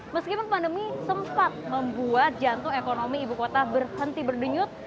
meskipun pandemi sempat membuat jantung ekonomi ibu kota berhenti berdenyut